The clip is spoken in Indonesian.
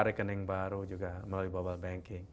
rekening baru juga melalui mobile banking